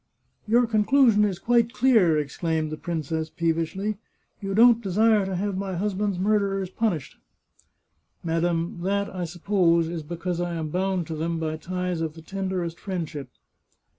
" Your conclusion is quite clear," exclaimed the princess peevishly. " You don't desire to have my husband's mur derers punished." 454 The Chartreuse of Parma " Madam, that, I suppose, is because I am bound to them by ties of the tenderest friendship."